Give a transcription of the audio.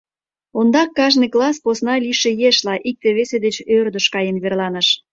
Ондак кажне класс посна лийше ешла икте-весе деч ӧрдыш каен верланыш.